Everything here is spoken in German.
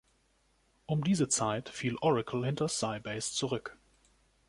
Um diese Zeit fiel Oracle hinter Sybase zurück.